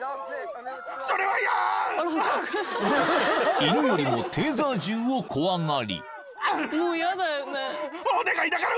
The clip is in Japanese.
［犬よりもテーザー銃を怖がり］